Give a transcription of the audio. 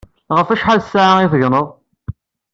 Ɣef acḥal n ssaɛa i tegganeḍ?